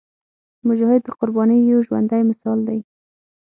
مجاهد د قربانۍ یو ژوندی مثال دی.